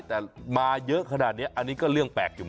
แต่มาเยอะขนาดนี้อันนี้ก็เรื่องแปลกอยู่